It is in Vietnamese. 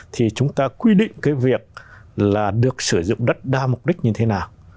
thì chúng ta quy định cái việc là được sử dụng đất đa mục đích như thế nào